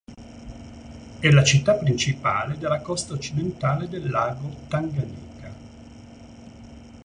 È la città principale della costa occidentale del Lago Tanganica.